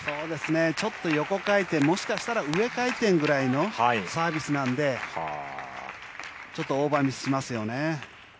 ちょっと横回転もしかしたら上回転ぐらいのサービスなのでオーバーミスしますよね。